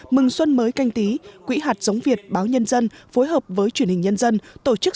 mừng xuân mới canh tí quỹ hạt giống việt báo nhân dân phối hợp với truyền hình nhân dân tổ chức